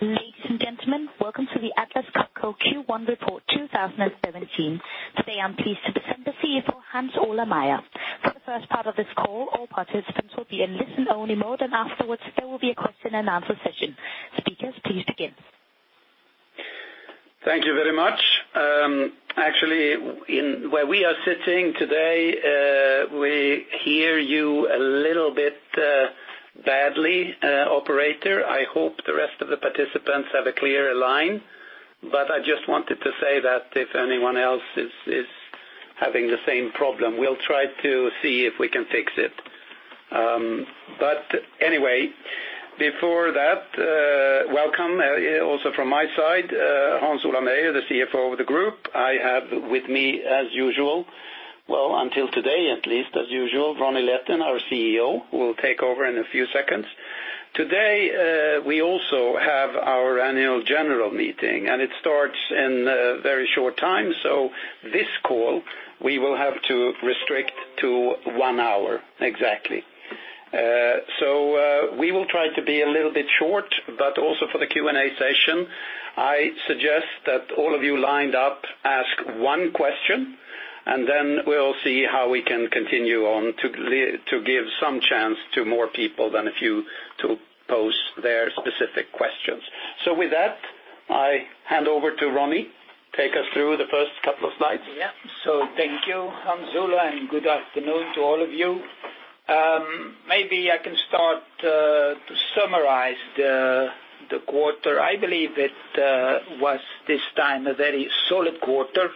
Ladies and gentlemen, welcome to the Atlas Copco Q1 Report 2017. Today, I'm pleased to present the CFO, Hans Ola Meyer. For the first part of this call, all participants will be in listen only mode, and afterwards there will be a question and answer session. Speakers, please begin. Thank you very much. Actually, where we are sitting today, we hear you a little bit badly, operator. I hope the rest of the participants have a clearer line. I just wanted to say that if anyone else is having the same problem, we'll try to see if we can fix it. Anyway, before that, welcome also from my side, Hans Ola Meyer, the CFO of the group. I have with me, as usual, well, until today at least, as usual, Ronnie Leten, our CEO, who will take over in a few seconds. Today, we also have our annual general meeting, and it starts in a very short time. This call, we will have to restrict to one hour exactly. We will try to be a little bit short, but also for the Q&A session, I suggest that all of you lined up ask one question, and then we'll see how we can continue on to give some chance to more people than a few to pose their specific questions. With that, I hand over to Ronnie. Take us through the first couple of slides. Yeah. Thank you, Hans Ola, and good afternoon to all of you. Maybe I can start to summarize the quarter. I believe it was this time a very solid quarter,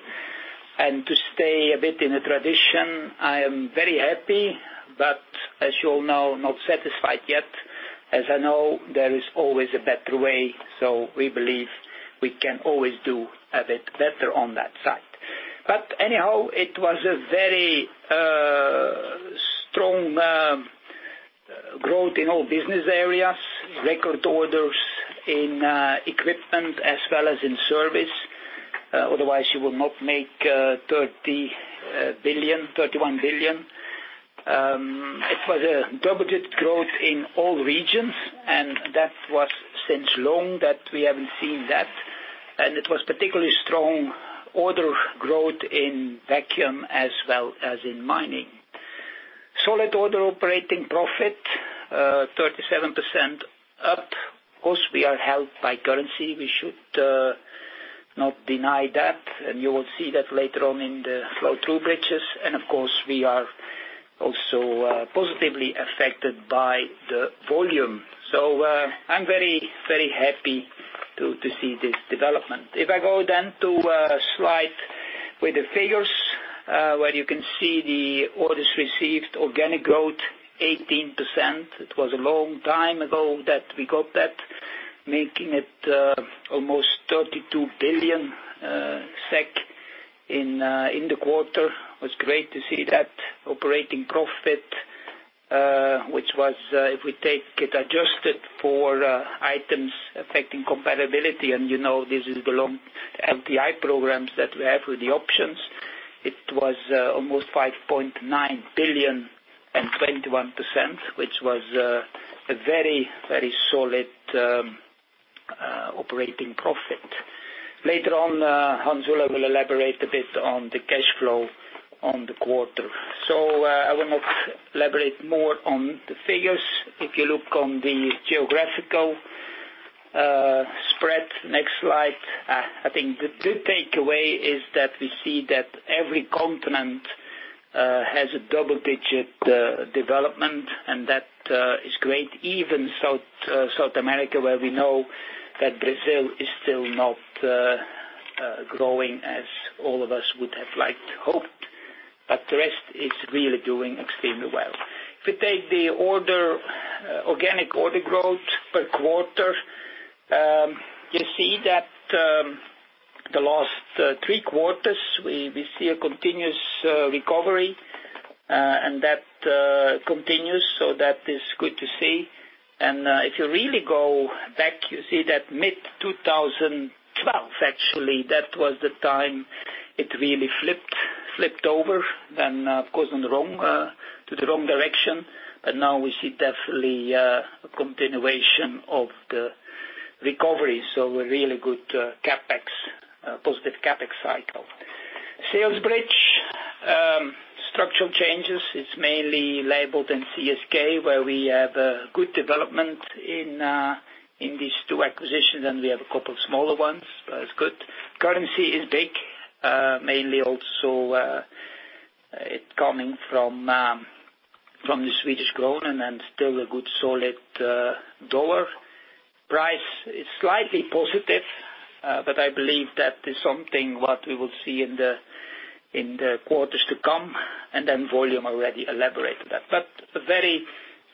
and to stay a bit in the tradition, I am very happy, but as you all know, not satisfied yet. As I know, there is always a better way, we believe we can always do a bit better on that side. Anyhow, it was a very strong growth in all Business Areas, record orders in equipment as well as in service. Otherwise, you will not make 31 billion. It was a double-digit growth in all regions, and that was since long that we haven't seen that. It was particularly strong order growth in Vacuum as well as in Mining. Solid order operating profit, 37% up. Of course, we are helped by currency. We should not deny that. You will see that later on in the flow-through bridges. Of course, we are also positively affected by the volume. I'm very happy to see this development. If I go to a slide with the figures, where you can see the orders received, organic growth 18%. It was a long time ago that we got that, making it almost 32 billion SEK in the quarter. It was great to see that operating profit, which was, if we take it adjusted for items affecting comparability, and you know this is the long LTI programs that we have with the options. It was almost 5.9 billion and 21%, which was a very solid operating profit. Later on, Hans Ola will elaborate a bit on the cash flow on the quarter. I will not elaborate more on the figures. If you look on the geographical spread, next slide. I think the takeaway is that we see that every continent has a double-digit development, and that is great. Even South America, where we know that Brazil is still not growing as all of us would have liked to hoped, the rest is really doing extremely well. If we take the organic order growth per quarter, you see that the last three quarters, we see a continuous recovery, and that continues, that is good to see. If you really go back, you see that mid-2012, actually, that was the time it really flipped over, of course to the wrong direction. Now we see definitely a continuation of the recovery. A really good positive CapEx cycle. Sales bridge. Structural changes, it's mainly Leybold and CSK, where we have a good development in these two acquisitions, and we have a couple of smaller ones. It's good. Currency is big. Mainly also it coming from the Swedish krona and still a good solid dollar. Price is slightly positive, I believe that is something what we will see in the quarters to come, and volume already elaborated that.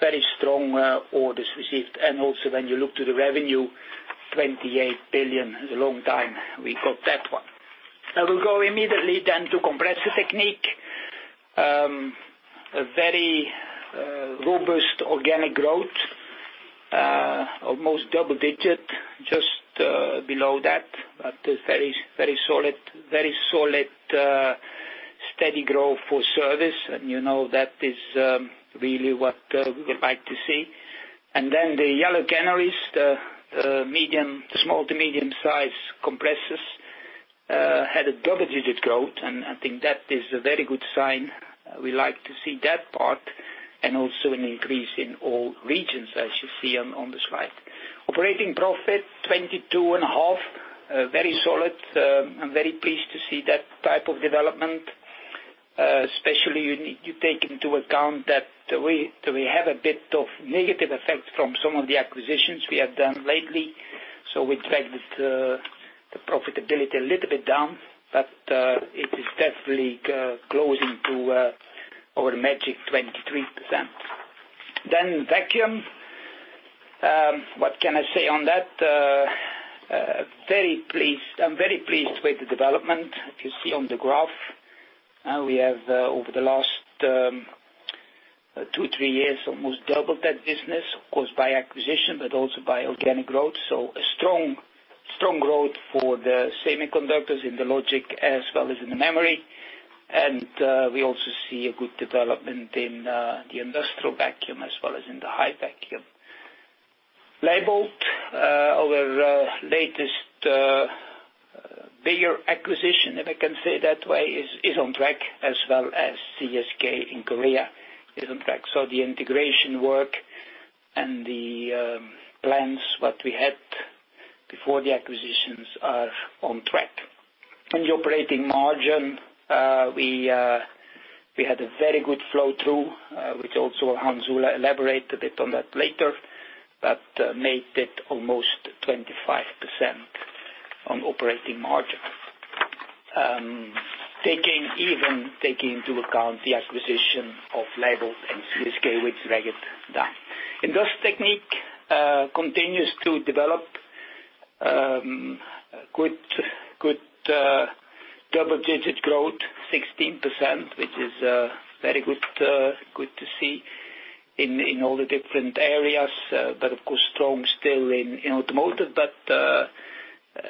Very strong orders received. Also when you look to the revenue, 28 billion. It's a long time we got that one. I will go immediately to Compressor Technique. A very robust organic growth, almost double-digit, just below that, very solid growth Steady growth for service, and you know that is really what we would like to see. The yellow canaries, the small to medium-size compressors, had a double-digit growth, and I think that is a very good sign. We like to see that part and also an increase in all regions, as you see on the slide. Operating profit 22.5%, very solid. I'm very pleased to see that type of development, especially you take into account that we have a bit of negative effect from some of the acquisitions we have done lately, we drag the profitability a little bit down. It is definitely closing to our magic 23%. Vacuum. What can I say on that? I'm very pleased with the development. If you see on the graph, we have, over the last two, three years, almost doubled that business. Of course, by acquisition, but also by organic growth. A strong growth for the semiconductors in the logic as well as in the memory. We also see a good development in the industrial vacuum as well as in the high vacuum. Leybold, our latest bigger acquisition, if I can say it that way, is on track as well as CSK in Korea is on track. The integration work and the plans that we had before the acquisitions are on track. On the operating margin, we had a very good flow-through, which also Hans Ola elaborated it on that later, but made it almost 25% on operating margin. Even taking into account the acquisition of Leybold and CSK, which dragged it down. Industrial Technique continues to develop good double-digit growth, 16%, which is very good to see in all the different areas. Of course, strong still in automotive, but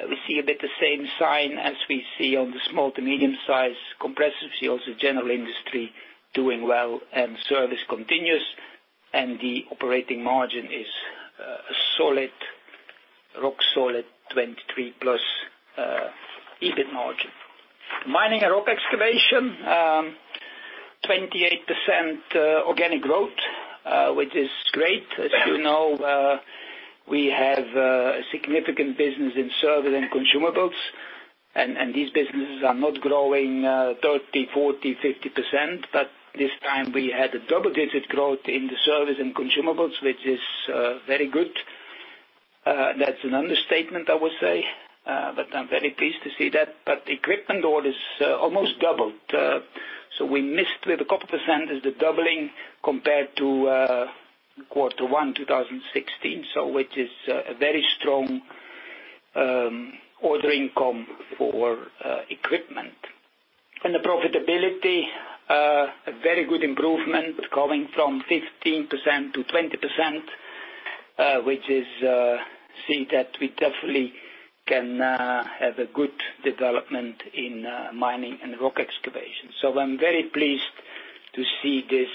we see a bit the same sign as we see on the small to medium-size compressors. We see also general industry doing well and service continues, and the operating margin is a rock solid 23%+ EBIT margin. Mining and Rock Excavation, 28% organic growth, which is great. As you know, we have a significant business in service and consumables, and these businesses are not growing 30%, 40%, 50%, but this time we had a double-digit growth in the service and consumables, which is very good. That's an understatement, I would say, but I'm very pleased to see that. Equipment order is almost doubled, so we missed with a couple percent is the doubling compared to Q1 2016, which is a very strong order income for equipment. The profitability, a very good improvement going from 15%-20%, which is see that we definitely can have a good development in Mining and Rock Excavation. I'm very pleased to see this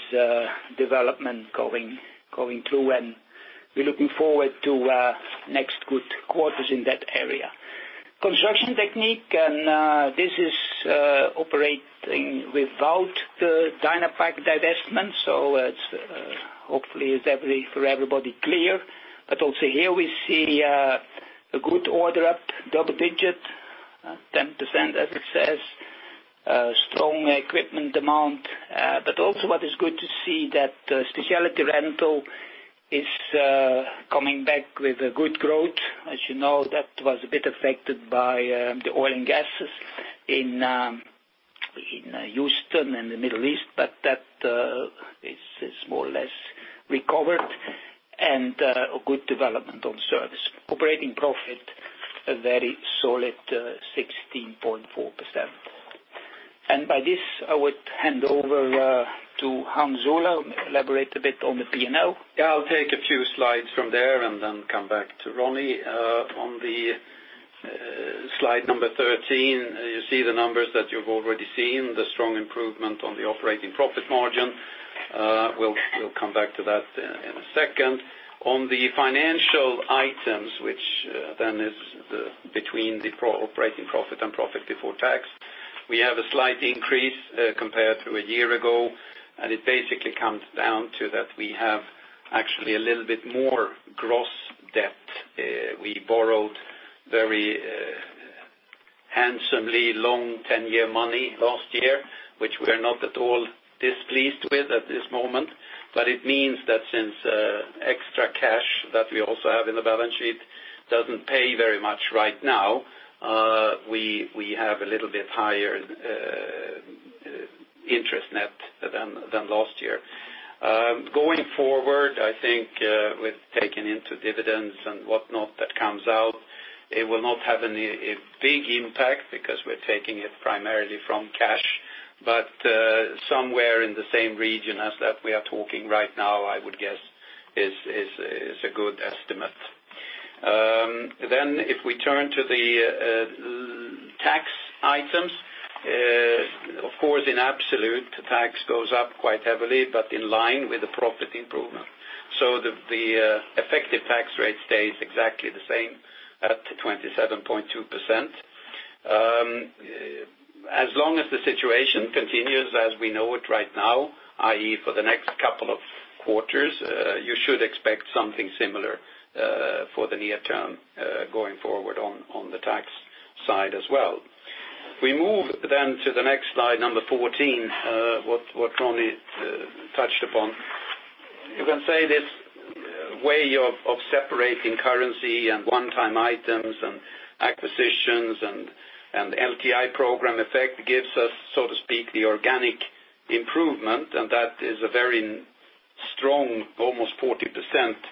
development going through, and we're looking forward to next good quarters in that area. Construction Technique, and this is operating without the Dynapac divestment, hopefully it's for everybody clear. Also here we see a good order up, double digit, 10% as it says, strong equipment demand. Also what is good to see that specialty rental is coming back with a good growth. As you know, that was a bit affected by the oil and gas in Houston and the Middle East, but that is more or less recovered and a good development on service. Operating profit, a very solid 16.4%. By this, I would hand over to Hans Olav, elaborate a bit on the P&L. Yeah, I'll take a few slides from there and then come back to Ronnie. On slide number 13, you see the numbers that you've already seen, the strong improvement on the operating profit margin. We'll come back to that in a second. On the financial items, which then is between the operating profit and profit before tax, we have a slight increase compared to a year ago, and it basically comes down to that we have actually a little bit more gross debt. We borrowed very handsomely long 10-year money last year, which we are not at all displeased with at this moment. It means that since extra cash that we also have in the balance sheet doesn't pay very much right now, we have a little bit higher interest net than last year. Going forward, I think with taking into dividends and whatnot that comes out, it will not have any big impact because we're taking it primarily from cash. Somewhere in the same region as that we are talking right now, I would guess, is a good estimate. If we turn to the tax items, of course in absolute, tax goes up quite heavily, but in line with the profit improvement, so the effective tax rate stays exactly the same at 27.2%. As long as the situation continues as we know it right now, i.e., for the next couple of quarters, you should expect something similar for the near term, going forward on the tax side as well. We move to the next slide, number 14, what Ronnie touched upon. You can say this way of separating currency and one-time items and acquisitions and LTI program effect gives us, so to speak, the organic improvement, that is a very strong, almost 40%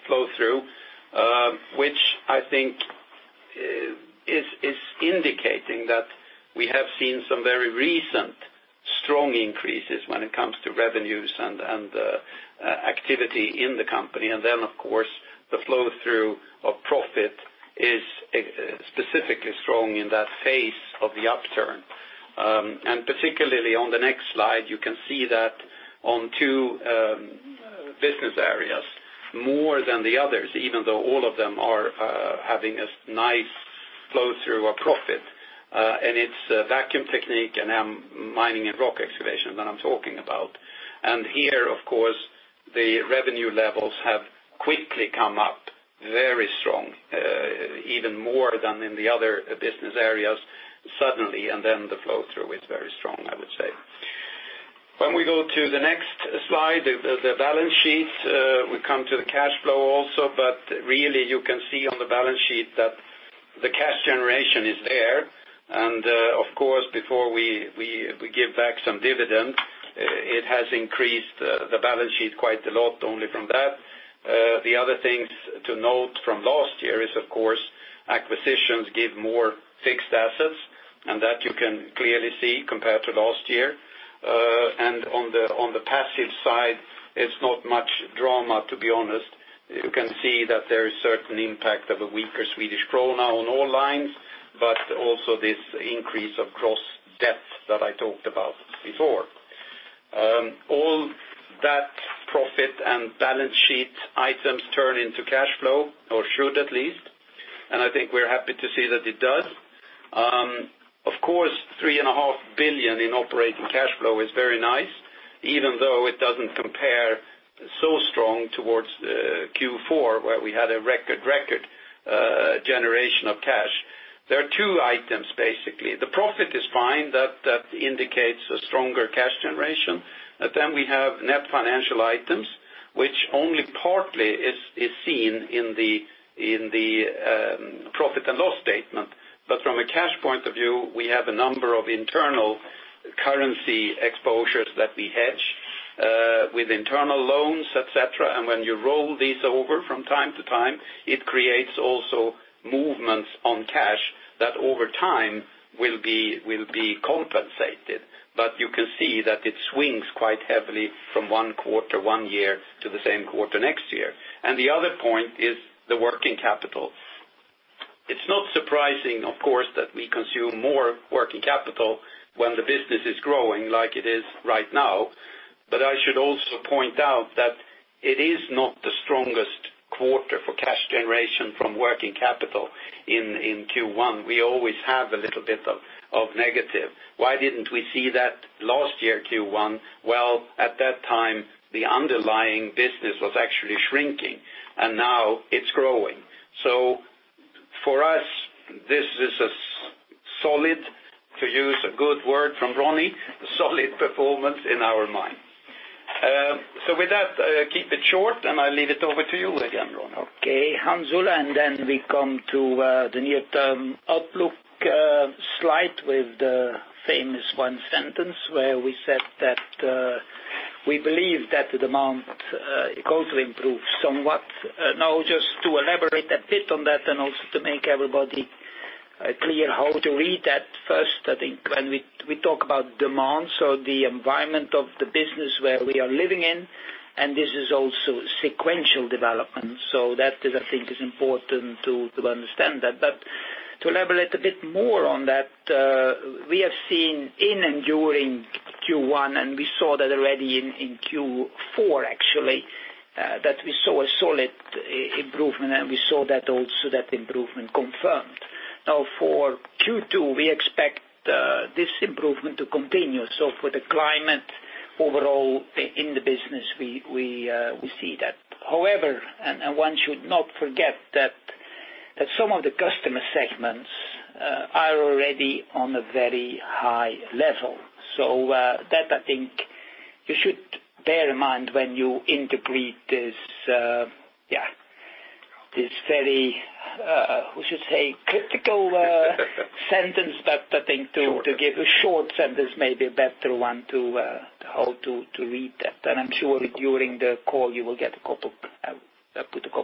flow through, which I think is indicating that we have seen some very recent strong increases when it comes to revenues and activity in the company. Then, of course, the flow through of profit is specifically strong in that phase of the upturn. Particularly on the next slide, you can see that on two Business Areas, more than the others, even though all of them are having a nice flow through of profit, and it's Vacuum Technique and Mining and Rock Excavation that I'm talking about. Here, of course, the revenue levels have quickly come up very strong, even more than in the other Business Areas suddenly, then the flow through is very strong, I would say. When we go to the next slide, the balance sheet, we come to the cash flow also, really you can see on the balance sheet that the cash generation is there. Of course, before we give back some dividend, it has increased the balance sheet quite a lot only from that. The other things to note from last year is, of course, acquisitions give more fixed assets, and that you can clearly see compared to last year. On the passive side, it's not much drama, to be honest. You can see that there is certain impact of a weaker Swedish krona on all lines, also this increase of gross debt that I talked about before. All that profit and balance sheet items turn into cash flow, or should at least, and I think we're happy to see that it does. Of course, 3.5 billion in operating cash flow is very nice, even though it doesn't compare so strong towards Q4, where we had a record generation of cash. There are two items, basically. The profit is fine. That indicates a stronger cash generation. Then we have net financial items, which only partly is seen in the profit and loss statement. From a cash point of view, we have a number of internal currency exposures that we hedge with internal loans, et cetera. When you roll these over from time to time, it creates also movements on cash that over time will be compensated. You can see that it swings quite heavily from one quarter one year to the same quarter next year. The other point is the working capital. It's not surprising, of course, that we consume more working capital when the business is growing like it is right now. I should also point out that it is not the strongest quarter for cash generation from working capital in Q1. We always have a little bit of negative. Why didn't we see that last year, Q1? Well, at that time, the underlying business was actually shrinking, and now it's growing. For us, this is a solid, to use a good word from Ronnie, solid performance in our mind. With that, I keep it short, and I leave it over to you again, Ronnie. Okay, Hans Ola, Then we come to the near-term outlook slide with the famous one sentence where we said that we believe that demand goes to improve somewhat. Just to elaborate a bit on that and also to make everybody clear how to read that, first, I think when we talk about demand, so the environment of the business where we are living in, and this is also sequential development. That, I think, is important to understand that. To elaborate a bit more on that, we have seen in and during Q1, and we saw that already in Q4, actually, that we saw a solid improvement, and we saw that also that improvement confirmed. For Q2, we expect this improvement to continue. For the climate overall in the business, we see that. One should not forget that some of the customer segments are already on a very high level. That I think you should bear in mind when you integrate this very, we should say, critical sentence. I think to give Short. A short sentence may be a better one to how to read that. I am sure during the call you will get a couple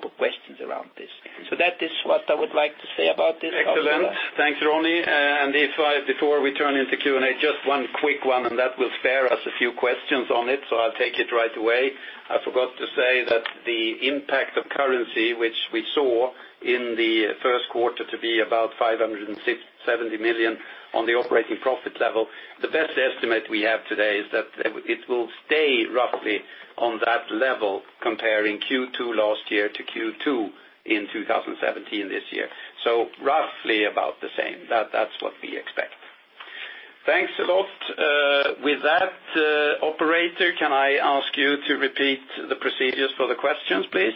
of questions around this. That is what I would like to say about this. Excellent. Thanks, Ronnie. If I, before we turn into Q&A, just one quick one, that will spare us a few questions on it, so I'll take it right away. I forgot to say that the impact of currency, which we saw in the first quarter to be about 570 million on the operating profit level, the best estimate we have today is that it will stay roughly on that level comparing Q2 last year to Q2 in 2017 this year. Roughly about the same. That's what we expect. Thanks a lot. With that, operator, can I ask you to repeat the procedures for the questions, please?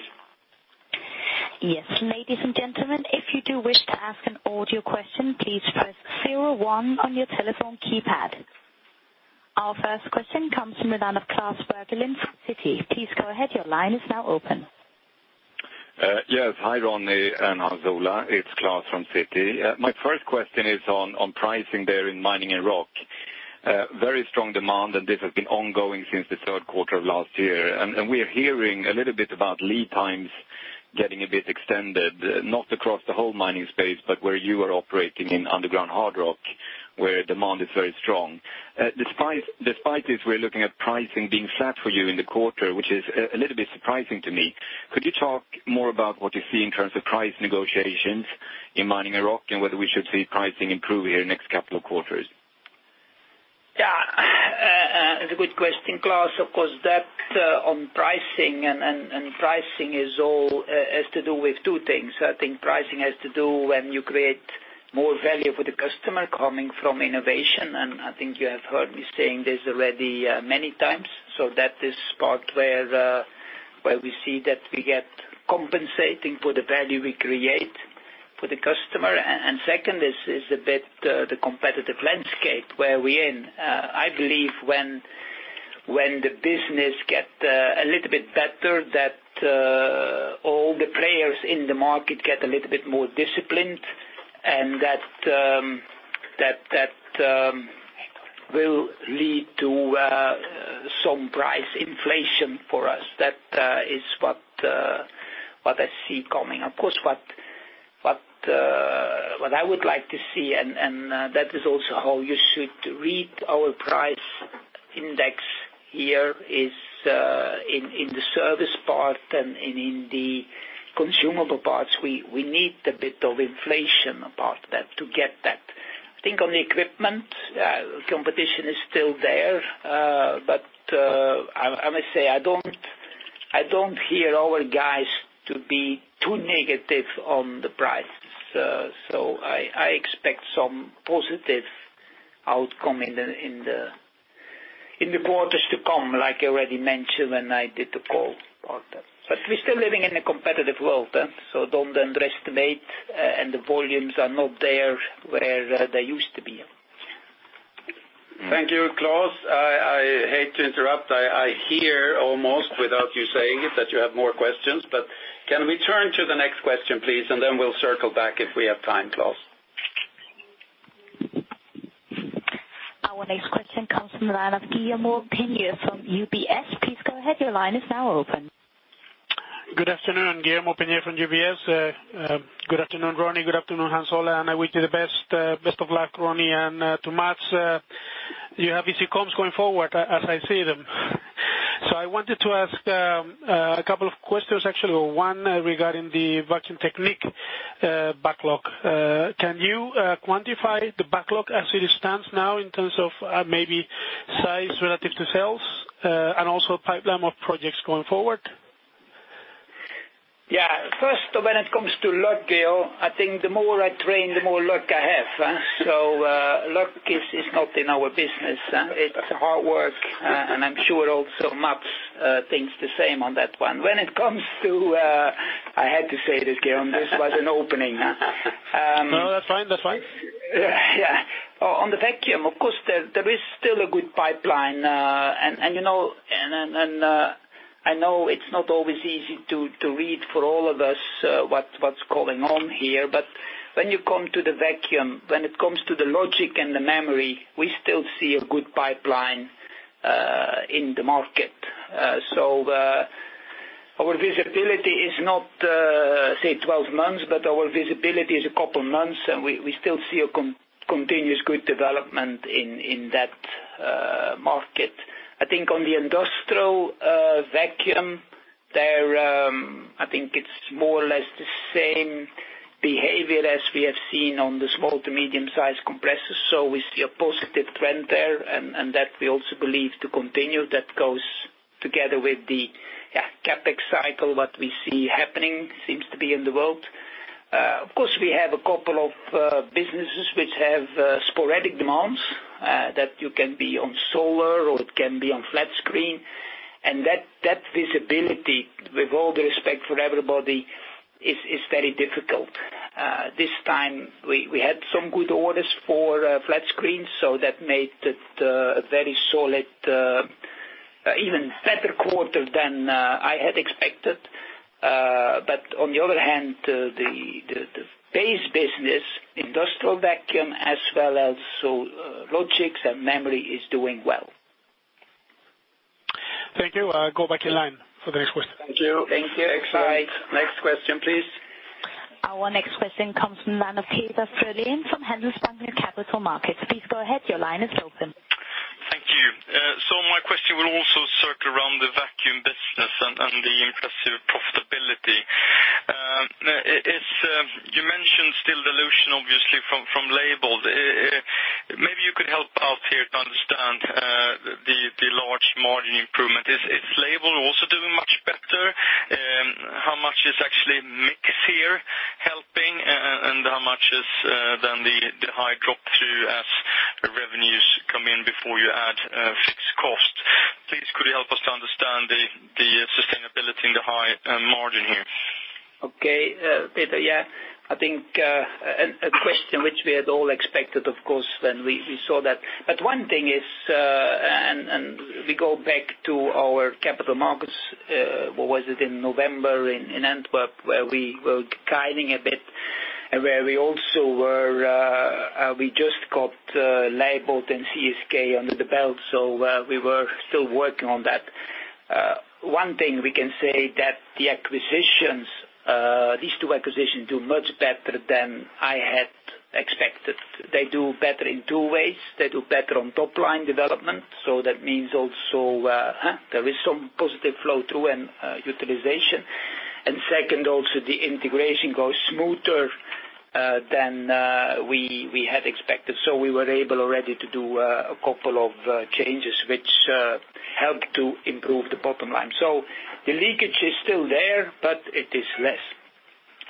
Yes. Ladies and gentlemen, if you do wish to ask an audio question, please press 01 on your telephone keypad. Our first question comes from the line of Klas Bergelind, Citi. Please go ahead. Your line is now open. Yes. Hi, Ronnie and Hans Ola. It's Klas from Citi. My first question is on pricing there in mining and rock. Very strong demand, and this has been ongoing since the 3rd quarter of last year. We are hearing a little bit about lead times getting a bit extended, not across the whole mining space, but where you are operating in underground hard rock, where demand is very strong. Despite this, we're looking at pricing being flat for you in the quarter, which is a little bit surprising to me. Could you talk more about what you see in terms of price negotiations in mining and rock and whether we should see pricing improve here next couple of quarters? Yeah. It's a good question, Klas. Of course, that on pricing has to do with two things. I think pricing has to do when you create more value for the customer coming from innovation, and I think you have heard me saying this already many times. That is part where we see that we get compensating for the value we create for the customer. Second is a bit the competitive landscape where we're in. I believe when the business get a little bit better, that all the players in the market get a little bit more disciplined, and that will lead to some price inflation for us. That is what I see coming. Of course, what I would like to see, and that is also how you should read our price index here is, in the service part and in the consumable parts, we need a bit of inflation apart that to get that. I think on the equipment, competition is still there. I must say, I don't hear our guys to be too negative on the prices. I expect some positive outcome in the quarters to come, like I already mentioned when I did the call part. We're still living in a competitive world, so don't underestimate, and the volumes are not there where they used to be. Thank you, Klas. I hate to interrupt. I hear almost without you saying it, that you have more questions, but can we turn to the next question, please? We'll circle back if we have time, Klas. Our next question comes from the line of Guillaume Piña from UBS. Please go ahead. Your line is now open. Good afternoon, Guillaume Opinier from UBS. Good afternoon, Ronnie. Good afternoon, Hans Ola, and I wish you the best. Best of luck, Ronnie and to Mats. You have easy comms going forward as I see them. I wanted to ask a couple of questions, actually. One regarding the Vacuum Technique backlog. Can you quantify the backlog as it stands now in terms of maybe size relative to sales, and also pipeline of projects going forward? First, when it comes to luck, Guillaume, I think the more I train, the more luck I have. Luck is not in our business. It's hard work, and I'm sure also Mats thinks the same on that one. When it comes to I had to say this, Guillaume. This was an opening. That's fine. Yeah. On the vacuum, of course, there is still a good pipeline. I know it's not always easy to read for all of us what's going on here. When you come to the vacuum, when it comes to the logic and the memory, we still see a good pipeline in the market. Our visibility is not, say, 12 months, but our visibility is a couple months, and we still see a continuous good development in that market. I think on the industrial vacuum there, I think it's more or less the same behavior as we have seen on the small to medium-sized compressors. We see a positive trend there, and that we also believe to continue. That goes together with the CapEx cycle that we see happening, seems to be in the world. Of course, we have a couple of businesses which have sporadic demands, that you can be on solar or it can be on flat screen. That visibility, with all due respect for everybody, is very difficult. This time we had some good orders for flat screen, that made it a very solid, even better quarter than I had expected. On the other hand, the base business, industrial vacuum as well as logic and memory is doing well. Thank you. Go back in line for the next question. Thank you. Thank you. Bye. Next question, please. Our next question comes from the line of Peter Freling from Handelsbanken Capital Markets. Please go ahead. Your line is open. Thank you. My question will also circle around the vacuum business and the impressive profitability. You mentioned still dilution, obviously, from Leybold. Maybe you could help out here to understand the large margin improvement. Is Leybold also doing much better? How much is actually mix here helping, and how much is then the high drop through as revenues come in before you add fixed cost? Please could you help us to understand the sustainability and the high margin here? Peter, I think a question which we had all expected, of course, when we saw that. One thing is, and we go back to our capital markets, what was it in November in Antwerp, where we were guiding a bit, and where we just got Leybold and CSK under the belt, so we were still working on that. One thing we can say that these two acquisitions do much better than I had expected. They do better in two ways. They do better on top line development. That means also there is some positive flow-through and utilization. Second, also the integration goes smoother than we had expected. We were able already to do a couple of changes which helped to improve the bottom line. The leakage is still there, but it is less.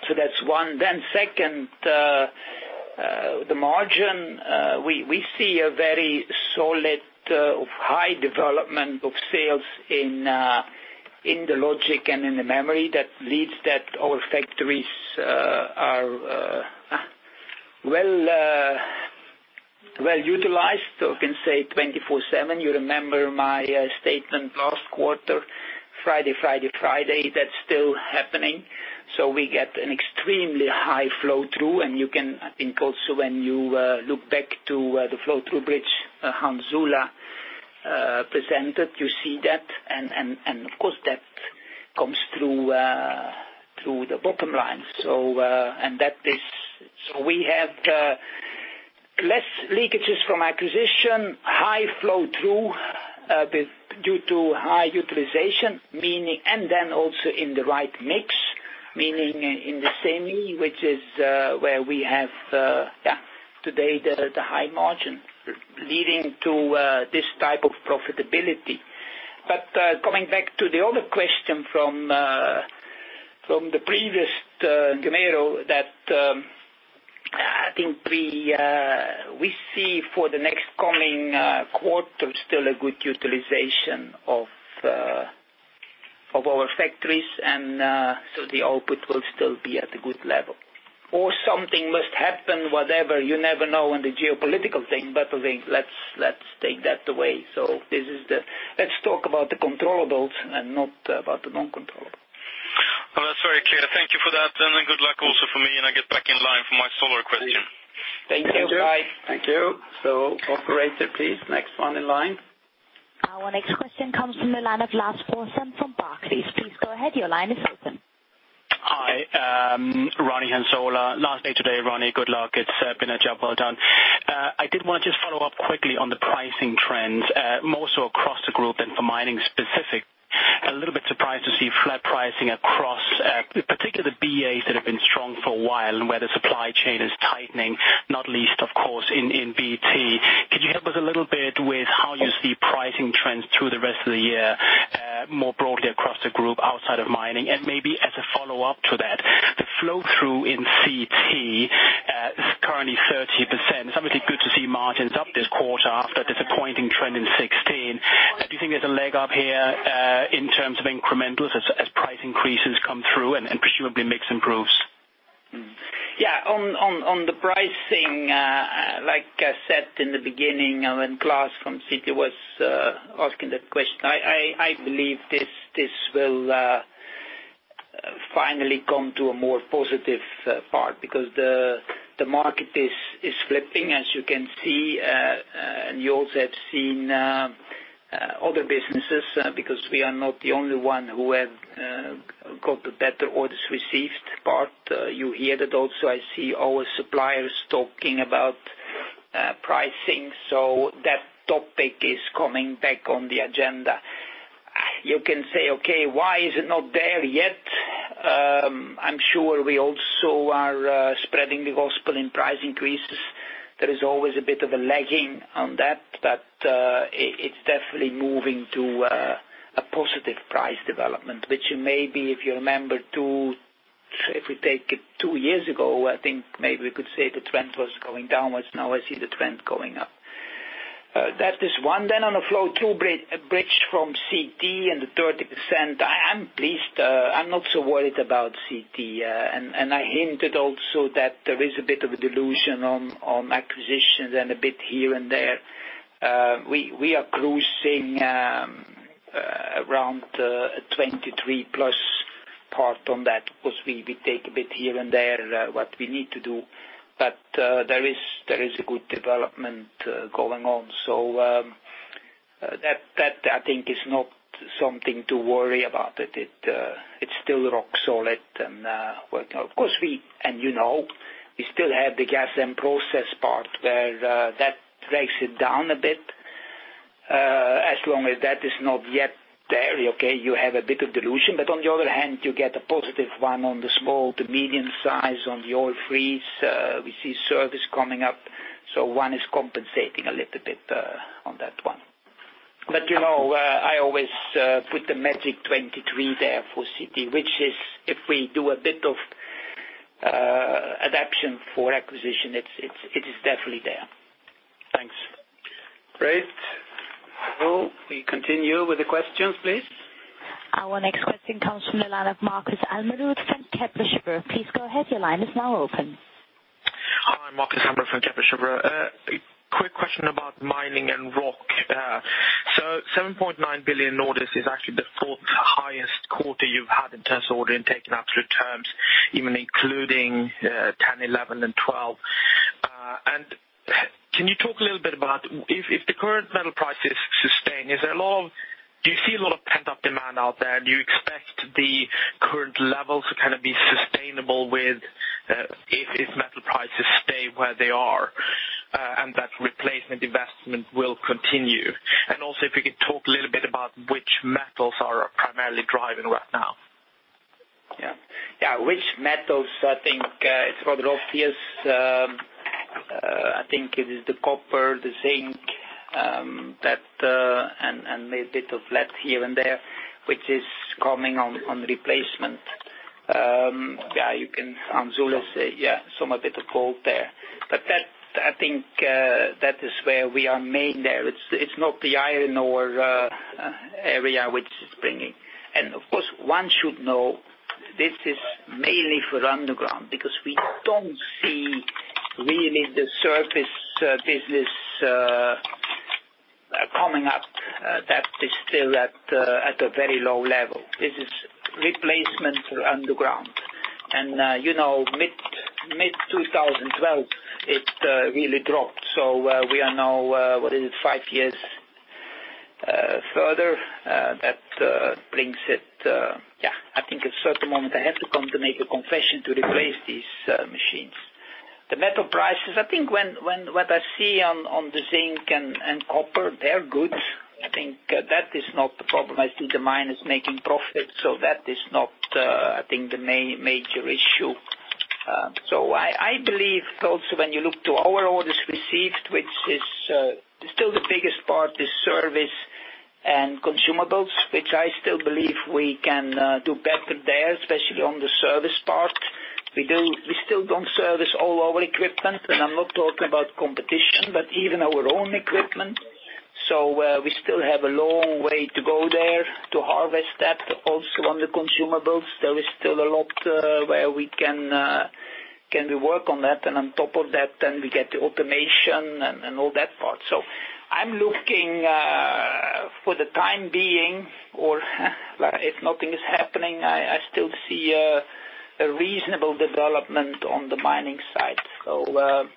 That's one. Second, the margin. We see a very solid high development of sales in the logic and in the memory that leads that our factories are well utilized, so you can say 24/7. You remember my statement last quarter, Friday, Friday. That's still happening. We get an extremely high flow-through, and you can, I think also when you look back to the flow-through bridge Hans Ola presented, you see that, and of course, that comes through the bottom line. We have less leakages from acquisition, high flow-through due to high utilization, and then also in the right mix, meaning in the semi, which is where we have today the high margin leading to this type of profitability. Coming back to the other question from the previous, Guillaume, that I think we see for the next coming quarter still a good utilization of our factories, and the output will still be at a good level or something must happen, whatever, you never know in the geopolitical thing, but let's take that away. Let's talk about the controllables and not about the non-controllable. That's very clear. Thank you for that, and good luck also from me, and I get back in line for my solar question. Thank you. Bye. Thank you. Operator, please. Next one in line. Our next question comes from the line of Lars Brorson from Barclays. Please go ahead. Your line is open. Hi, Ronnie Hans Ola. Last day today, Ronnie. Good luck. It's been a job well done. I did want to just follow up quickly on the pricing trends, more so across the group than for mining specific. A little bit surprised to see flat pricing across, particularly the BAs that have been strong for a while, and where the supply chain is tightening, not least, of course, in BT. Could you help us a little bit with how you see pricing trends through the rest of the year, more broadly across the group outside of mining? Maybe as a follow-up to that, the flow-through in CT is currently 30%. It's obviously good to see margins up this quarter after a disappointing trend in 2016. Do you think there's a leg up here in terms of incrementals as price increases come through and presumably mix improves? Yeah. On the pricing, like I said in the beginning, when Lars from CT was asking that question, I believe this will finally come to a more positive part because the market is flipping, as you can see. You also have seen other businesses because we are not the only one who have got the better orders received part. You hear that also. I see our suppliers talking about pricing. That topic is coming back on the agenda. You can say, "Okay, why is it not there yet?" I'm sure we also are spreading the gospel in price increases. There is always a bit of a lagging on that, but it's definitely moving to a positive price development, which you maybe, if you remember, if we take it two years ago, I think maybe we could say the trend was going downwards. Now I see the trend going up. That is one. On the flow-through bridge from CT and the 30%, I am pleased. I'm not so worried about CT. I hinted also that there is a bit of a dilution on acquisitions and a bit here and there. We are cruising around 23 plus part on that, because we take a bit here and there, what we need to do. There is a good development going on. That, I think, is not something to worry about. It's still rock solid and working. Of course, and you know, we still have the Gas and Process part where that drags it down a bit. As long as that is not yet there, okay, you have a bit of dilution, but on the other hand, you get a positive one on the small to medium size on the oil-free. We see service coming up. One is compensating a little bit on that one. I always put the magic 23 there for CT, which is, if we do a bit of adaption for acquisition, it is definitely there. Thanks. Great. Well, we continue with the questions, please. Our next question comes from the line of Markus Almerud from Kepler Cheuvreux. Please go ahead. Your line is now open. Hi, Markus Almerud from Kepler Cheuvreux. A quick question about mining and rock. 7.9 billion orders is actually the fourth highest quarter you've had in terms of order intake in absolute terms, even including 2010, 2011, and 2012. Can you talk a little bit about if the current metal prices sustain, do you see a lot of pent-up demand out there? Do you expect the current levels to be sustainable if metal prices stay where they are, and that replacement investment will continue? Also, if you could talk a little bit about which metals are primarily driving right now. Yeah. Which metals, I think it's rather obvious. I think it is the copper, the zinc, and maybe a bit of lead here and there, which is coming on replacement. Yeah, you can, Hans Ola say, yeah, some a bit of gold there. That, I think, that is where we are main there. It's not the iron ore area which is bringing. Of course, one should know this is mainly for underground, because we don't see really the surface business coming up. That is still at a very low level. This is replacement underground. Mid-2012, it really dropped. We are now, what is it, five years further. That brings it, yeah, I think a certain moment I have to come to make a confession to replace these machines. The metal prices, I think what I see on the zinc and copper, they're good. I think that is not the problem. I see the mine is making profit, that is not I think the major issue. I believe also when you look to our orders received, which is still the biggest part is service and consumables, which I still believe we can do better there, especially on the service part. We still don't service all our equipment, and I'm not talking about competition, but even our own equipment. We still have a long way to go there to harvest that. Also on the consumables, there is still a lot where we can work on that, on top of that, then we get the automation and all that part. I'm looking for the time being, or if nothing is happening, I still see a reasonable development on the mining side.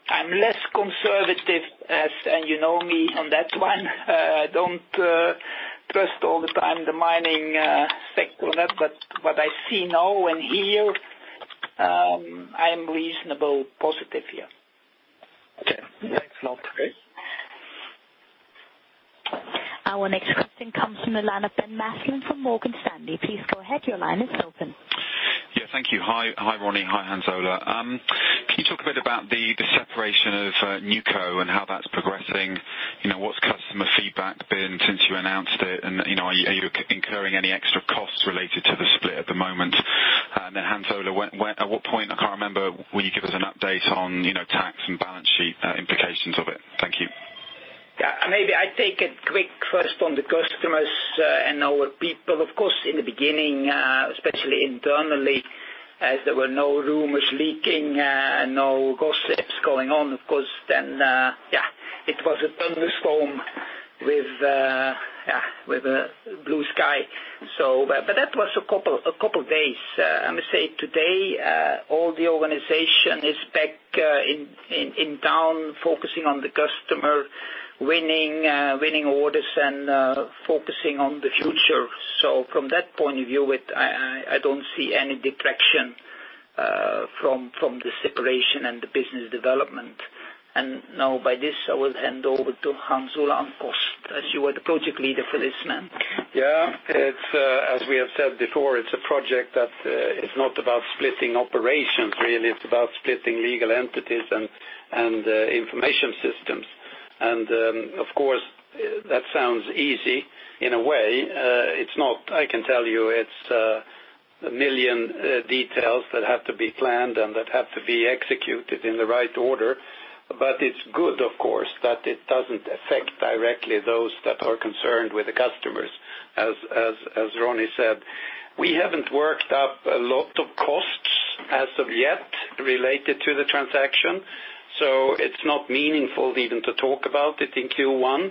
I'm less conservative as, and you know me on that one, I don't trust all the time the mining sector on that. What I see now and hear, I am reasonable positive here. Okay. Thanks a lot. Great. Our next question comes from the line of Ben Mathalone from Morgan Stanley. Please go ahead. Your line is open. Yeah, thank you. Hi, Ronnie. Hi, Hans Ola. Can you talk a bit about the separation of NewCo and how that's progressing? What's customer feedback been since you announced it? Are you incurring any extra costs related to the split at the moment? Hans Olaf, at what point, I can't remember, will you give us an update on tax and balance sheet implications of it? Thank you. Maybe I take it quick first on the customers and our people. Of course, in the beginning, especially internally, as there were no rumors leaking and no gossips going on, of course then, it was a thunderstorm with blue sky. That was a couple of days. I must say today, all the organization is back in town focusing on the customer, winning orders, and focusing on the future. From that point of view, I don't see any deflection from the separation and the business development. Now by this, I will hand over to Hans Ola Meyer, as you are the project leader for this, man. As we have said before, it's a project that is not about splitting operations really, it's about splitting legal entities and information systems. Of course, that sounds easy in a way. It's not. I can tell you it's 1 million details that have to be planned and that have to be executed in the right order. It's good, of course, that it doesn't affect directly those that are concerned with the customers, as Ronnie said. We haven't worked up a lot of costs as of yet related to the transaction. It's not meaningful even to talk about it in Q1.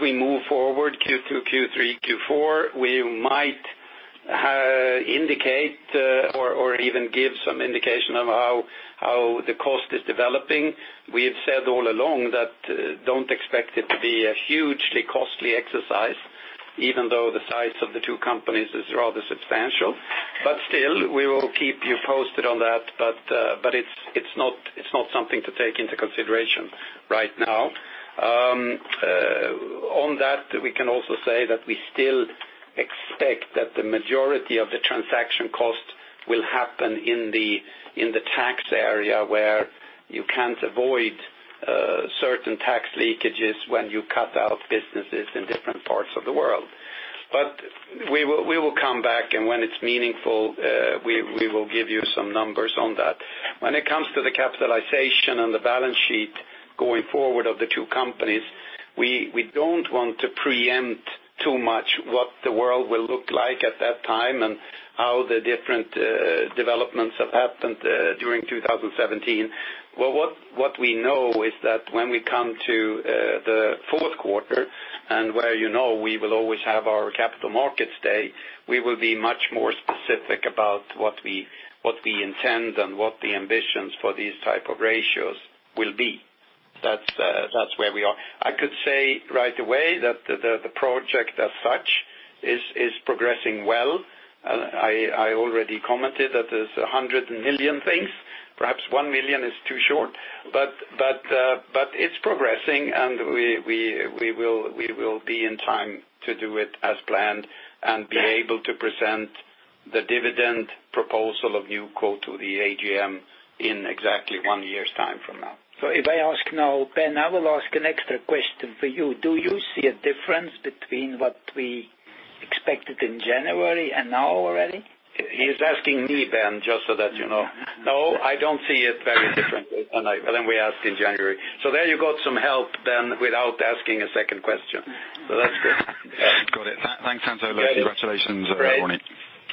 We move forward, Q2, Q3, Q4, we might indicate or even give some indication of how the cost is developing. We have said all along that don't expect it to be a hugely costly exercise, even though the size of the two companies is rather substantial. Still, we will keep you posted on that. It's not something to take into consideration right now. On that, we can also say that we still expect that the majority of the transaction cost will happen in the tax area, where you can't avoid certain tax leakages when you cut out businesses in different parts of the world. We will come back, and when it's meaningful, we will give you some numbers on that. When it comes to the capitalization and the balance sheet going forward of the two companies, we don't want to preempt too much what the world will look like at that time and how the different developments have happened during 2017. What we know is that when we come to the fourth quarter, and where you know we will always have our capital markets day, we will be much more specific about what we intend and what the ambitions for these type of ratios will be. That's where we are. I could say right away that the project as such is progressing well. I already commented that there's 100 million things. Perhaps 1 million is too short, it's progressing, and we will be in time to do it as planned and be able to present the dividend proposal of NewCo to the AGM in exactly one year's time from now. If I ask now, Ben, I will ask an extra question for you. Do you see a difference between what we expected in January and now already? He is asking me, Ben, just so that you know. No, I don't see it very differently than we asked in January. There you got some help then without asking a second question. That's good. Got it. Thanks, Hans Ola. Congratulations. Good morning.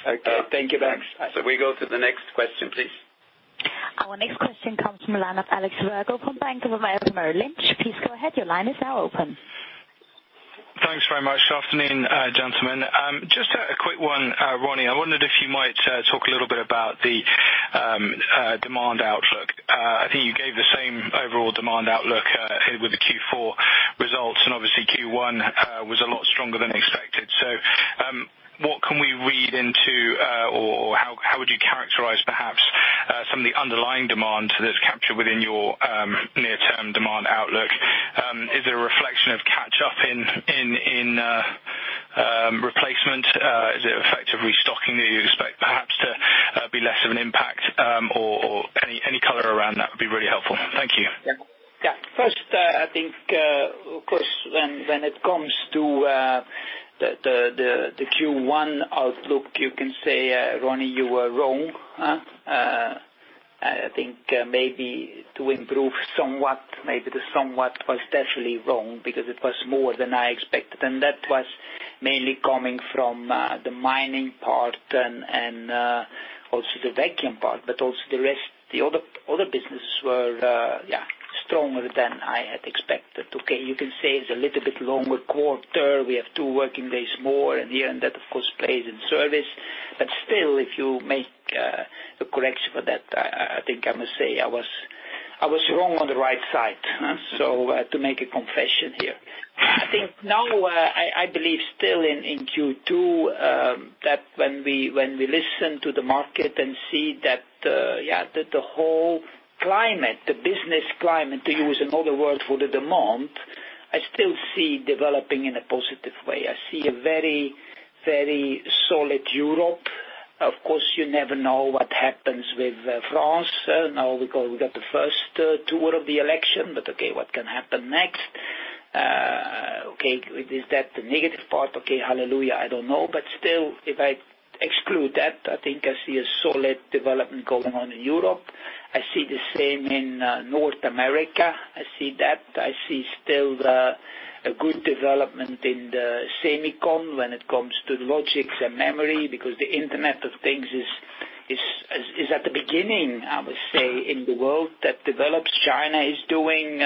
Okay. Thank you, Ben. We go to the next question, please. Our next question comes from the line of Alexander Virgo from Bank of America Merrill Lynch. Please go ahead. Your line is now open. Thanks very much. Afternoon, gentlemen. Just a quick one. Ronnie, I wondered if you might talk a little bit about the demand outlook. I think you gave the same overall demand outlook with the Q4 results, and obviously Q1 was a lot stronger than expected. What can we read into or how would you characterize perhaps some of the underlying demand that's captured within your near-term demand outlook? Is it a reflection of catch up in replacement? Is it effect of restocking that you expect perhaps to be less of an impact? Any color around that would be really helpful. Thank you. Yeah. First, I think, of course, when it comes to the Q1 outlook, you can say, Ronnie, you were wrong. I think maybe to improve somewhat, maybe the somewhat was definitely wrong because it was more than I expected. That was mainly coming from the mining part and also the vacuum part, but also the other businesses were stronger than I had expected. Okay, you can say it's a little bit longer quarter. We have two working days more, and here and that, of course, plays in service. Still, if you make a correction for that, I think I must say I was wrong on the right side. To make a confession here. I think now I believe still in Q2, that when we listen to the market and see that the whole climate, the business climate, to use another word for the demand, I still see developing in a positive way. I see a very solid Europe. Of course, you never know what happens with France. Now we got the first tour of the election. Okay, what can happen next? Okay, is that the negative part? Okay, hallelujah, I don't know. Still, if I exclude that, I think I see a solid development going on in Europe. I see the same in North America. I see that. I see still a good development in the semiconductor when it comes to logics and memory, because the Internet of Things is at the beginning, I would say, in the world that develops. China is doing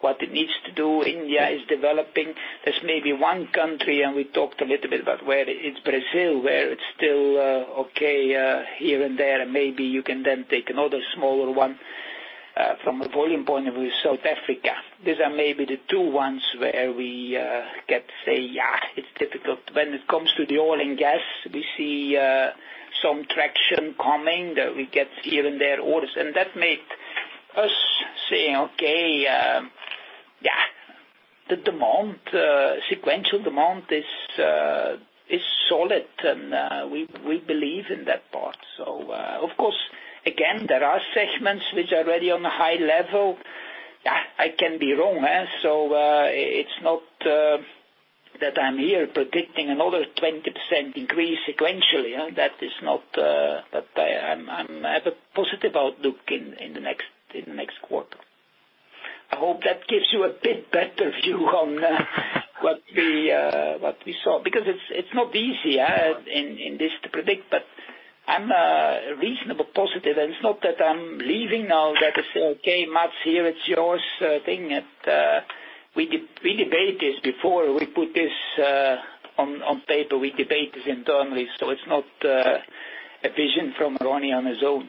what it needs to do. India is developing. There's maybe one country, we talked a little bit about where it's Brazil, where it's still okay here and there. Maybe you can then take another smaller one from a volume point of view, South Africa. These are maybe the two ones where we get to say, yeah, it's difficult. When it comes to the oil and gas, we see some traction coming that we get here and there orders. That made us saying, okay, the demand, sequential demand is solid, and we believe in that part. Of course, again, there are segments which are already on a high level. I can be wrong. It's not that I'm here predicting another 20% increase sequentially. I have a positive outlook in the next quarter. I hope that gives you a bit better view on what we saw, because it's not easy in this to predict, but I'm reasonably positive, and it's not that I'm leaving now that I say, "Okay, Mats, here it's your thing." We debate this before we put this on paper. We debate this internally. It's not a vision from Ronnie on his own.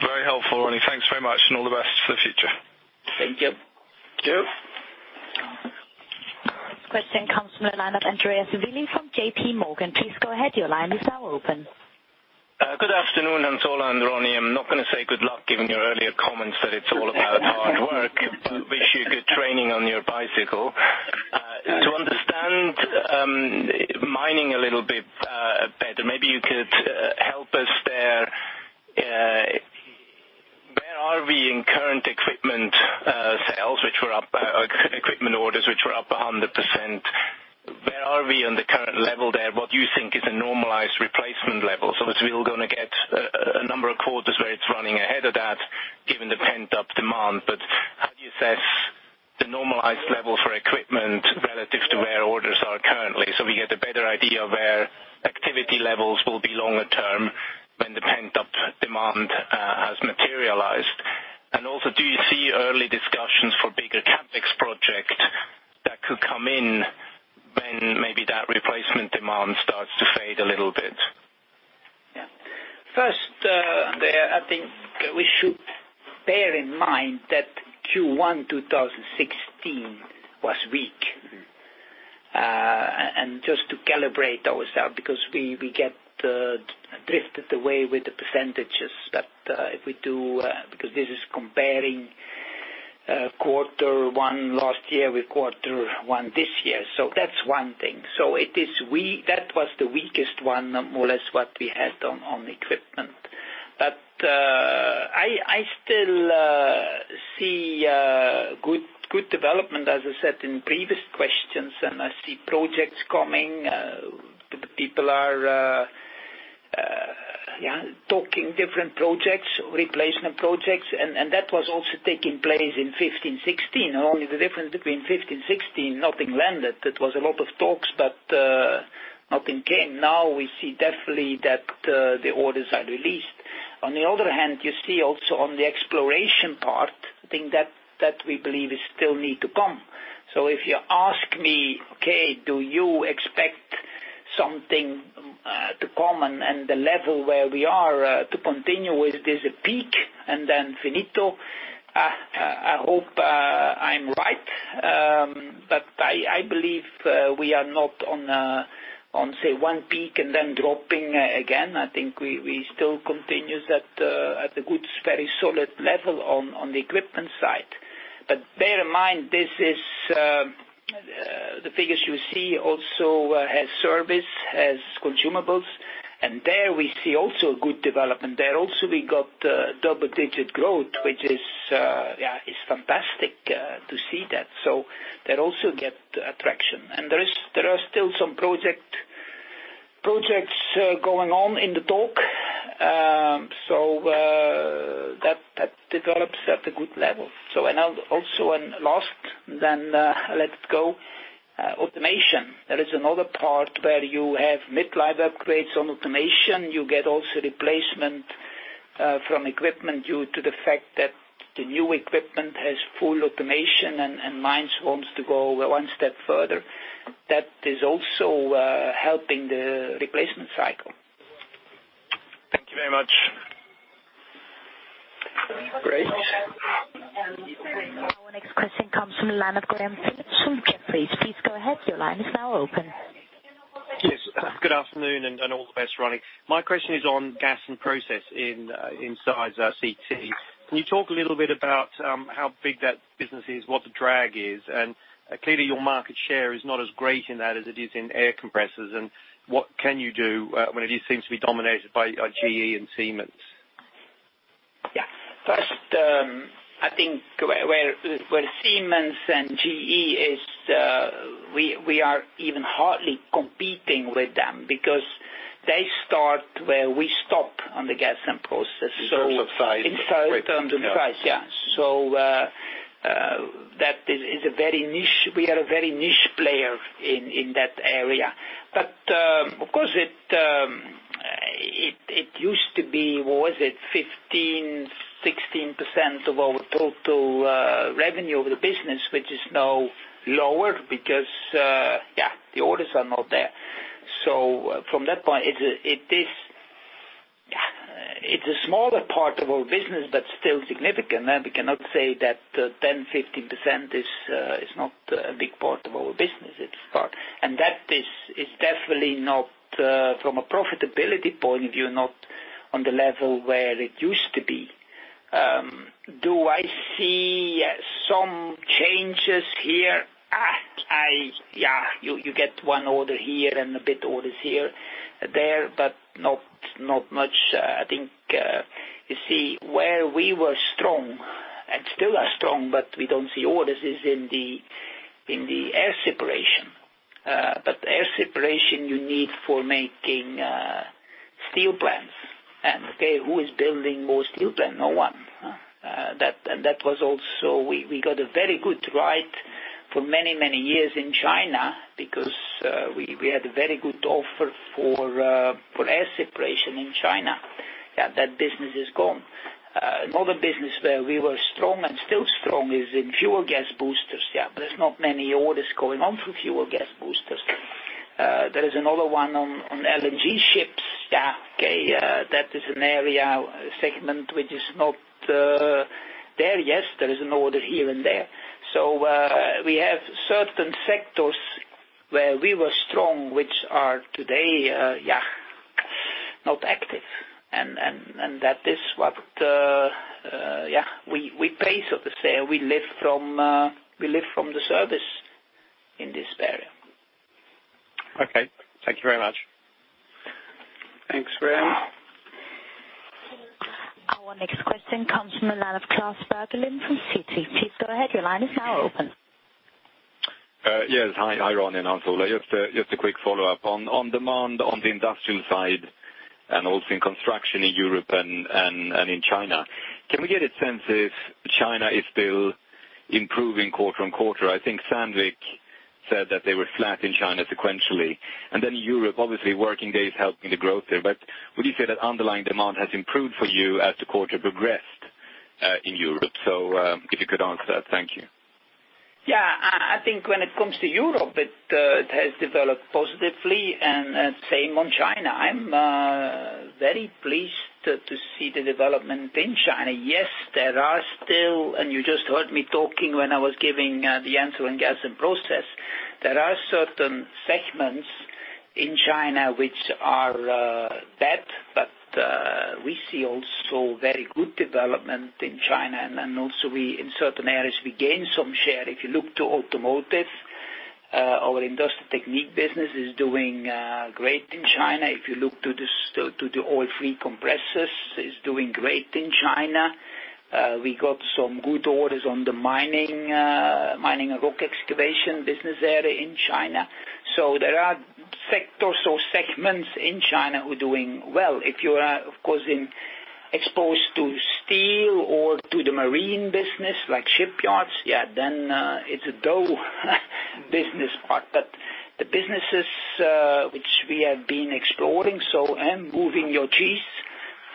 Very helpful, Ronnie. Thanks very much, and all the best for the future. Thank you. Thank you. Question comes from the line of Andreas Willi from JP Morgan. Please go ahead. Your line is now open. Good afternoon, Hans Ola and Ronnie. I'm not going to say good luck given your earlier comments that it's all about hard work, but wish you good training on your bicycle. To understand mining a little bit better, maybe you could help us there. Where are we in current equipment sales, equipment orders which were up 100%? Where are we on the current level there? What do you think is a normalized replacement level? As we're all going to get a number of quarters where it's running ahead of that, given the pent-up demand. How do you assess the normalized level for equipment relative to where orders are currently, so we get a better idea of where activity levels will be longer term when the pent-up demand has materialized? Do you see early discussions for bigger CapEx project that could come in when maybe that replacement demand starts to fade a little bit? First, I think we should bear in mind that Q1 2016 was weak. Just to calibrate ourselves, because we get drifted away with the percentages that if we do, because this is comparing quarter one last year with quarter one this year. That's one thing. That was the weakest one, more or less what we had on equipment. I still see good development, as I said in previous questions, and I see projects coming. People are talking different projects, replacement projects, and that was also taking place in 2015, 2016. Only the difference between 2015, 2016, nothing landed. It was a lot of talks, but nothing came. Now we see definitely that the orders are released. On the other hand, you see also on the exploration part, I think that we believe is still need to come. If you ask me, okay, do you expect something to come and the level where we are to continue with this peak and then finito? I hope I'm right, but I believe we are not on, say, one peak and then dropping again. I think we still continue at a good, very solid level on the equipment side. Bear in mind, the figures you see also has service, has consumables, and there we see also a good development. There also we got double-digit growth, which is fantastic to see that. That also get attraction. There are still some projects going on in the talk, so that develops at a good level. Also last, then let's go. Automation. That is another part where you have mid-life upgrades on automation. You get also replacement from equipment due to the fact that the new equipment has full automation and mines wants to go one step further. That is also helping the replacement cycle. Thank you very much. Great. Our next question comes from the line of Graham Simpson at Jefferies. Please go ahead. Your line is now open. Yes. Good afternoon, and all the best, Ronnie. My question is on gas and process inside CT. Can you talk a little bit about how big that business is, what the drag is? Clearly, your market share is not as great in that as it is in air compressors. What can you do when it seems to be dominated by GE and Siemens? First, I think where Siemens and GE is, we are even hardly competing with them because they start where we stop on the gas and process. We are a very niche player in that area. Of course, it used to be, what was it? 15%-16% of our total revenue of the business, which is now lower because the orders are not there. From that point, it is a smaller part of our business, but still significant. We cannot say that 10%-15% is not a big part of our business. It is part. That is definitely, from a profitability point of view, not on the level where it used to be. Do I see some changes here? You get one order here and a bit orders here, there, but not much. I think you see where we were strong and still are strong, but we don't see orders is in the air separation. Air separation you need for making steel plants. Okay, who is building more steel plants? No one. We got a very good ride for many, many years in China because we had a very good offer for air separation in China. That business is gone. Another business where we were strong and still strong is in fuel gas boosters. There is not many orders going on for fuel gas boosters. There is another one on LNG ships. That is an area segment which is not there. Yes, there is an order here and there. We have certain sectors where we were strong, which are today not active. That is what we pay, so to say, we live from the service in this area. Thank you very much. Thanks, Graham. Our next question comes from the line of Klas Bergelind from Citi. Please go ahead. Your line is now open. Yes. Hi, Ronnie and Hans Ola. Just a quick follow-up. On demand on the industrial side and also in construction in Europe and in China, can we get a sense if China is still improving quarter-on-quarter? I think Sandvik said that they were flat in China sequentially. Europe, obviously working day is helping the growth there, but would you say that underlying demand has improved for you as the quarter progressed in Europe? If you could answer that. Thank you. Yeah. I think when it comes to Europe, it has developed positively and same on China. I'm very pleased to see the development in China. You just heard me talking when I was giving the answer on gas and process. There are certain segments in China which are bad, we see also very good development in China and also in certain areas we gain some share. If you look to automotive, our Industrial Technique business is doing great in China. If you look to the oil-free compressors, it's doing great in China. We got some good orders on the mining rock excavation business area in China. There are sectors or segments in China who are doing well. If you are, of course, exposed to steel or to the marine business like shipyards, then it's a dull business part. The businesses which we have been exploring, moving your cheese,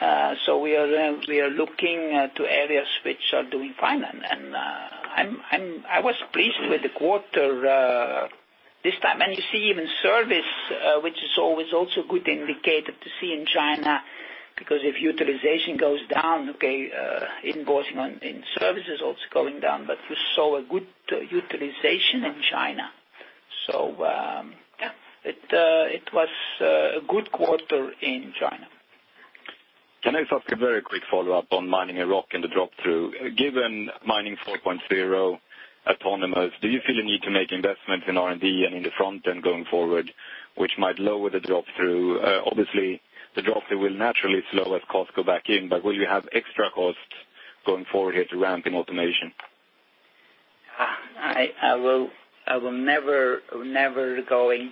we are looking to areas which are doing fine. I was pleased with the quarter this time, you see even service, which is always also a good indicator to see in China, because if utilization goes down, invoicing in service is also going down. We saw a good utilization in China. It was a good quarter in China. Can I just ask a very quick follow-up on Mining and Rock and the drop through? Given Mining 4.0 autonomous, do you feel a need to make investments in R&D and in the front end going forward, which might lower the drop through? Obviously, the drop through will naturally slow as costs go back in, but will you have extra costs going forward here to ramp in automation? I will never going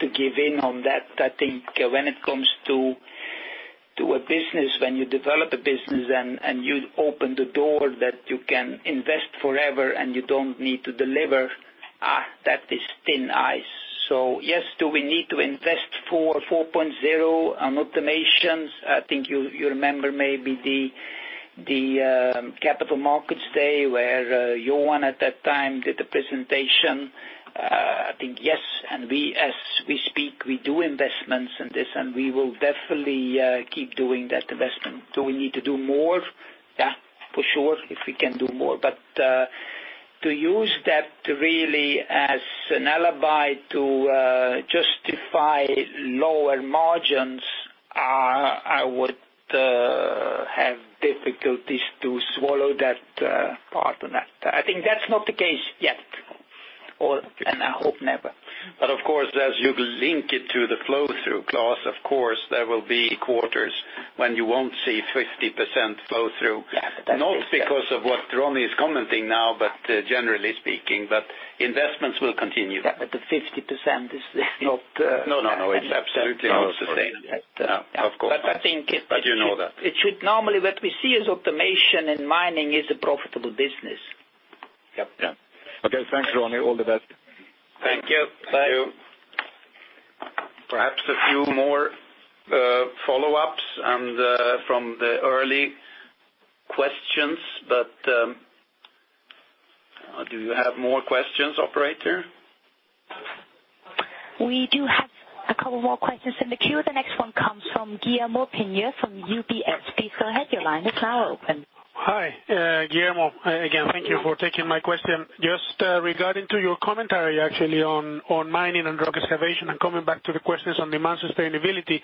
to give in on that. I think when it comes to a business, when you develop a business and you open the door that you can invest forever, and you don't need to deliver, that is thin ice. Yes, do we need to invest for 4.0 on automations? I think you remember maybe the capital markets day where Johan at that time did the presentation. I think yes, and as we speak, we do investments in this, and we will definitely keep doing that investment. Do we need to do more? Yeah, for sure, if we can do more. To use that really as an alibi to justify lower margins, I would have difficulties to swallow that part on that. I think that's not the case yet, and I hope never. Of course, as you link it to the flow through, Klas, of course, there will be quarters when you won't see 50% flow through. Yeah. Not because of what Ronnie is commenting now, but generally speaking, but investments will continue. Yeah, the 50% is not. No, it's absolutely not the same. I think it. You know that. it should normally what we see as automation and mining is a profitable business. Yep. Yeah. Okay. Thanks, Ronnie. All the best. Thank you. Bye. Thank you. Perhaps a few more follow-ups and from the early questions, but do you have more questions, operator? We do have a couple more questions in the queue. The next one comes from Guillermo Piña from UBS. Please go ahead. Your line is now open. Hi, Guillermo. Again, thank you for taking my question. Regarding to your commentary actually on Mining and Rock Excavation and coming back to the questions on demand sustainability.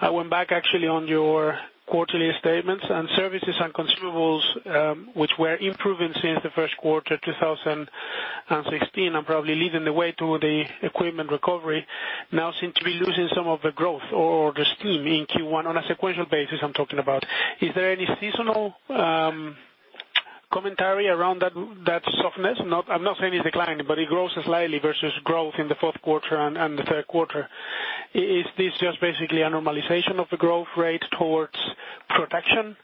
I went back actually on your quarterly statements and services and consumables, which were improving since the first quarter 2016, and probably leading the way to the equipment recovery now seem to be losing some of the growth or the steam in Q1 on a sequential basis, I'm talking about. Is there any seasonal commentary around that softness? I'm not saying it's declining, but it grows slightly versus growth in the fourth quarter and the third quarter. Is this just basically a normalization of the growth rate towards protection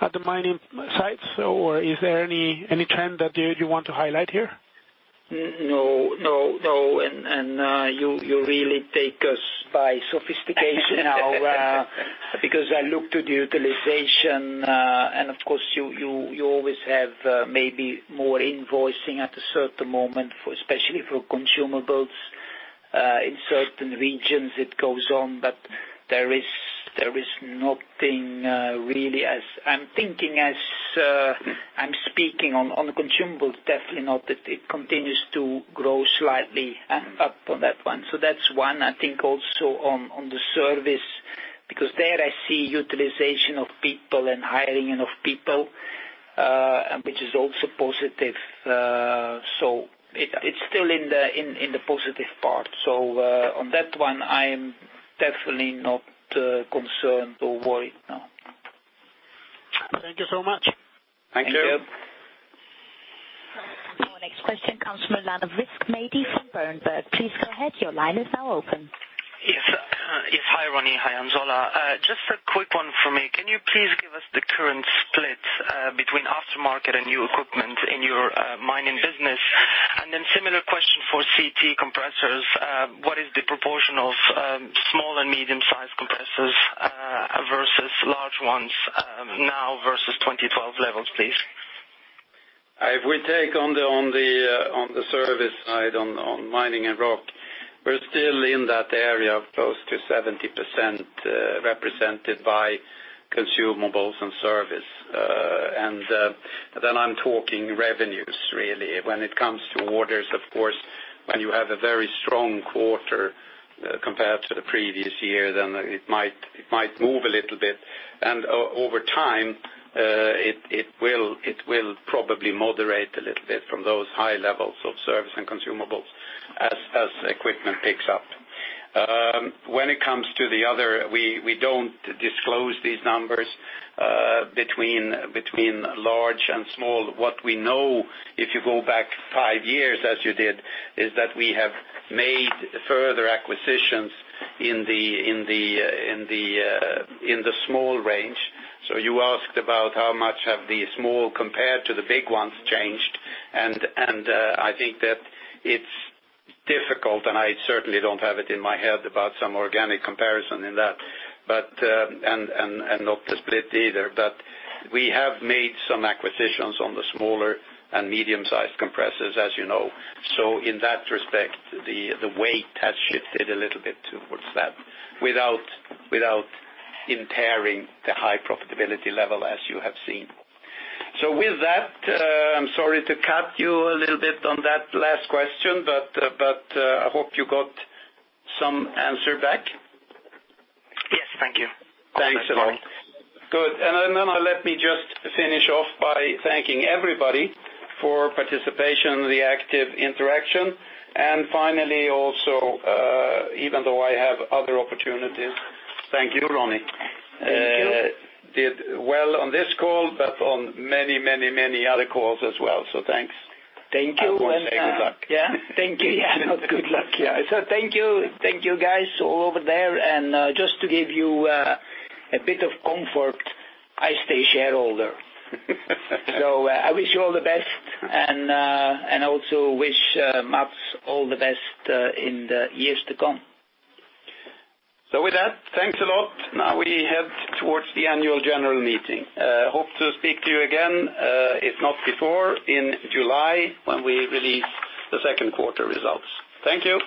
at the mining sites, or is there any trend that you want to highlight here? No. You really take us by sophistication now, because I look to the utilization, and of course, you always have maybe more invoicing at a certain moment, especially for consumables. In certain regions, it goes on, but there is nothing really, as I'm thinking, as I'm speaking on consumables, definitely not that it continues to grow slightly up on that one. That's one, I think also on the service, because there I see utilization of people and hiring of people, which is also positive. It's still in the positive part. On that one, I'm definitely not concerned or worried, no. Thank you so much. Thank you. Thank you. Our next question comes from the line of Rizk Maidi from Berenberg. Please go ahead. Your line is now open. Yes. Hi, Ronnie. Hi, Hans Ola. Just a quick one for me. Can you please give us the current split between aftermarket and new equipment in your mining business? Similar question for CT Compressors. What is the proportion of small and medium-sized compressors versus large ones now versus 2012 levels, please? If we take on the service side, on Mining and Rock Excavation Technique, we're still in that area of close to 70% represented by consumables and service. I'm talking revenues, really. When it comes to orders, of course, when you have a very strong quarter compared to the previous year, it might move a little bit, and over time, it will probably moderate a little bit from those high levels of service and consumables as equipment picks up. When it comes to the other, we don't disclose these numbers between large and small. What we know, if you go back five years, as you did, is that we have made further acquisitions in the small range. You asked about how much have the small compared to the big ones changed, and I think that it's difficult, and I certainly don't have it in my head about some organic comparison in that, and not the split either. We have made some acquisitions on the smaller and medium-sized compressors, as you know. In that respect, the weight has shifted a little bit towards that without impairing the high profitability level as you have seen. With that, I'm sorry to cut you a little bit on that last question, but I hope you got some answer back. Yes. Thank you. Thanks a lot. Good. Let me just finish off by thanking everybody for participation, the active interaction. Also, even though I have other opportunities, thank you, Ronnie. Thank you. Did well on this call, but on many other calls as well. Thanks. Thank you. I won't say good luck. Yeah. Thank you. Yeah, not good luck. Thank you guys all over there. Just to give you a bit of comfort, I stay shareholder. I wish you all the best and also wish Mats all the best in the years to come. With that, thanks a lot. Now we head towards the Annual General Meeting. Hope to speak to you again, if not before, in July, when we release the second quarter results. Thank you.